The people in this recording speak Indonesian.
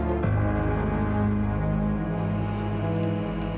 apakah itu sungguhan